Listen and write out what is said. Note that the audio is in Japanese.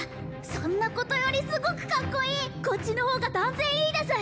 そんなことよりすごくカッコいいこっちの方が断然いいです